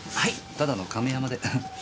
ただの亀山で。